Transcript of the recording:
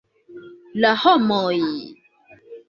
La homoj!..